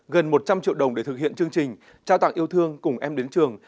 gần một trăm linh triệu đồng để thực hiện chương trình trao tặng yêu thương cùng em đến trường